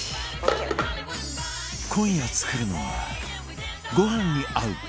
今夜作るのはご飯に合う！